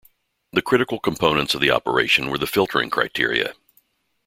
The critical components of the operation were the filtering criteria.